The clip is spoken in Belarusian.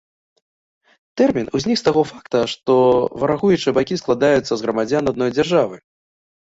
Тэрмін ўзнік з таго факта, што варагуючыя бакі складаюцца з грамадзян адной дзяржавы.